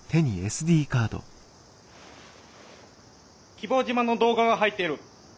希望島の動画が入ってる。